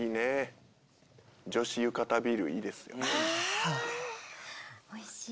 あおいしい。